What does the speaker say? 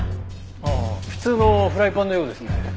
ああ普通のフライパンのようですね。